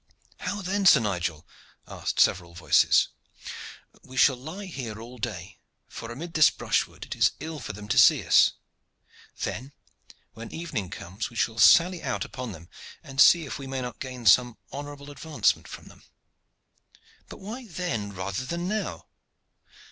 "How then, Sir Nigel?" asked several voices. "We shall lie here all day; for amid this brushwood it is ill for them to see us. Then when evening comes we shall sally out upon them and see if we may not gain some honorable advancement from them." "But why then rather than now?"